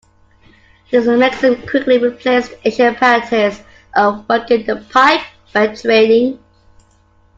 This mechanism quickly replaced the ancient practice of working the pipe by treading.